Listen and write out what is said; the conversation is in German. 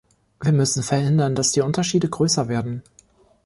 Wir müssen verhindern, dass die Unterschiede größer werden.